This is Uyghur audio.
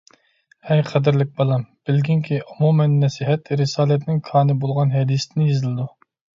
ئەي قەدىرلىك بالام، بىلگىنكى، ئومۇمەن نەسىھەت رىسالەتنىڭ كانى بولغان ھەدىستىن يېزىلىدۇ.